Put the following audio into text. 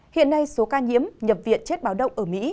hiện nay số ca nhiễm nhập viện